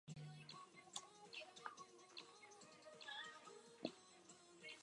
The title refers to the mountain of Purgatory in Dante's "The Divine Comedy".